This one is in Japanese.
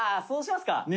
「そうしますか。